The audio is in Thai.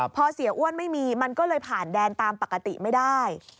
พอเสียอ้วนไม่มีมันก็เลยผ่านแดนตามปกติไม่ได้